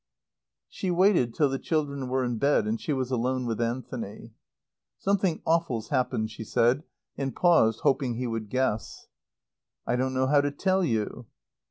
She waited till the children were in bed and she was alone with Anthony. "Something awful's happened," she said, and paused hoping he would guess. "I don't know how to tell you."